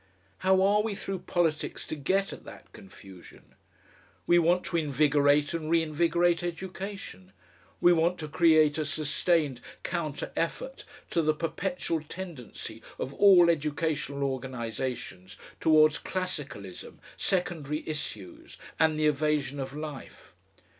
How are we through politics to get at that confusion? We want to invigorate and reinvigorate education. We want to create a sustained counter effort to the perpetual tendency of all educational organisations towards classicalism, secondary issues, and the evasion of life.